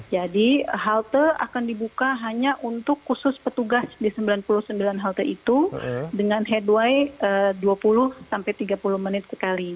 jadi halte akan dibuka hanya untuk khusus petugas di sembilan puluh sembilan halte itu dengan headway dua puluh sampai tiga puluh menit sekali